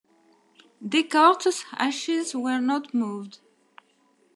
Descartes' ashes were not moved.